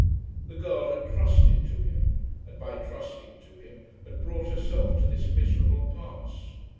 The girl had trusted to him, and by trusting to him had brought herself to this miserable pass.